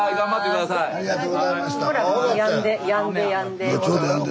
ほらやんでやんでやんで。